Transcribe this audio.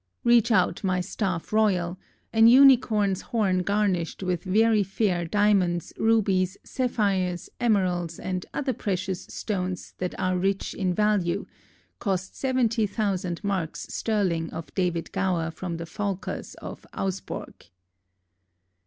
Reach owt my staff roiall; an unicorns horn garnished with verie fare diomondes, rubies, saphiers, emeralls and other precious stones that ar rich in vallew; cost 70 thousand marckes sterlinge of David Gower from the fowlkers of Ousborghe.